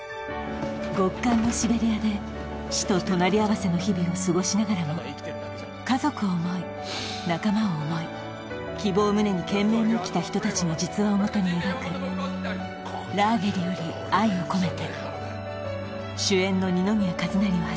極寒のシベリアで死と隣り合わせの日々を過ごしながらも家族を想い仲間を想い希望を胸に懸命に生きた人たちの実話をもとに描く「ラーゲリより愛を込めて」